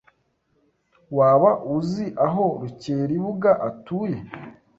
Waba uzi aho Rukeribuga atuye?